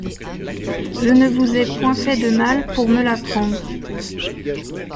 Je ne vous ai point fait de mal pour me la prendre !